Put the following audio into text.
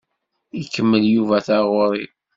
Ikemmel Yuba taɣuṛi.